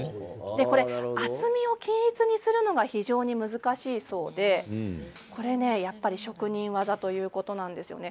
厚みを均一にするのが非常に難しいそうでやっぱり職人技ということなんですよね。